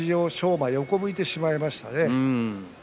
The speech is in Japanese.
馬が横を向いてしまいましたね。